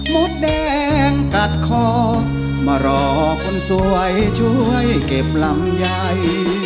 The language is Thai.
มดแดงกัดคอมารอคนสวยช่วยเก็บลำไย